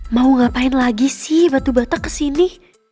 mau ngapain lagi sih batu batak kesini